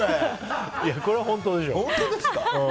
これは本当でしょ。